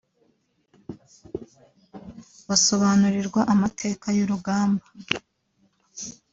basobanurirwa amateka y’urugamba